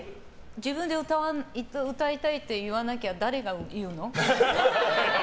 自分で歌いたいって言わなきゃ誰が言うの？